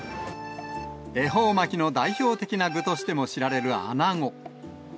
恵方巻きの代表的な具としても知られるアナゴ。